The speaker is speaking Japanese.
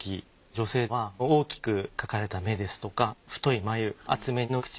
女性は大きく描かれた目ですとか太い眉厚めの唇。